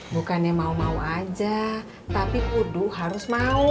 bukannya mau mau aja tapi kudu harus mau